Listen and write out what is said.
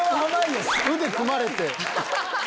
腕組まれて。